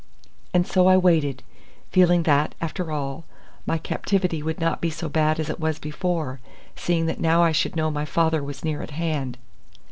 And so I waited, feeling that, after all, my captivity would not be so bad as it was before, seeing that now I should know my father was near at hand.